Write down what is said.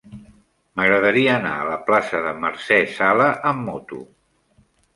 M'agradaria anar a la plaça de Mercè Sala amb moto.